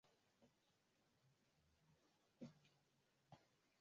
shukrani sana laki mwachoni kwa utathmini huo ukiwa mombasa